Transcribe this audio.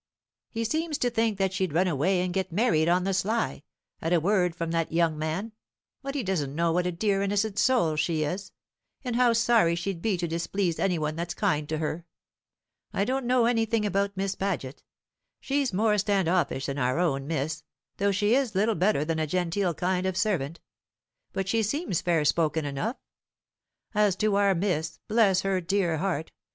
"He seems to think that she'd run away and get married on the sly, at a word from that young man; but he doesn't know what a dear innocent soul she is, and how sorry she'd be to displease any one that's kind to her. I don't know anything about Miss Paget. She's more stand offish than our own Miss, though she is little better than a genteel kind of servant; but she seems fair spoken enough. As to our Miss, bless her dear heart!